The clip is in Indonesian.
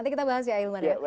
nanti kita bahas ya ahilman ya